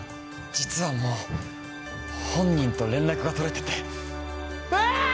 実はもう本人と連絡が取れててえっ！？